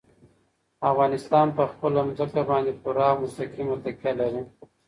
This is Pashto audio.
افغانستان په خپله ځمکه باندې پوره او مستقیمه تکیه لري.